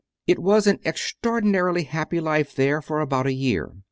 5. It was an extraordinarily happy life there for about a year.